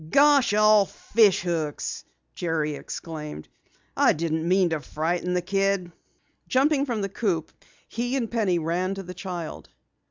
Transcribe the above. "Gosh all fish hooks!" Jerry exclaimed in dismay. "I didn't mean to frighten the kid." Jumping from the coupe, he and Penny ran to the child.